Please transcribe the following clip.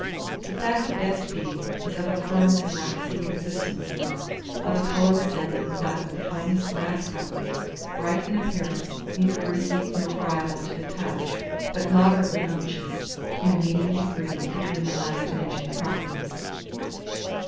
The fat of the best beef is of a firm and waxy consistency, of a colour resembling that of the finest grass butter; bright in appearance, neither greasy nor friable to the touch, but moderately unctuous, in a medium degree between the last mentioned properties.